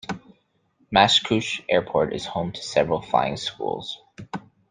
Mascouche Airport is home to several flying schools.